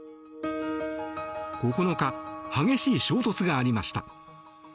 ９日、激しい衝突がありました。